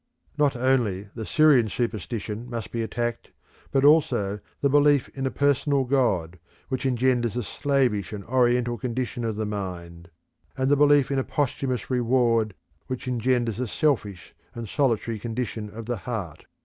Not only the Syrian superstition must be attacked, but also the belief in a personal God, which engenders a slavish and oriental condition of the mind; and the belief in a posthumous reward which engenders a selfish and solitary condition of the heart.